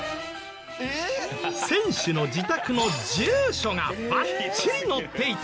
選手の自宅の住所がバッチリ載っていた。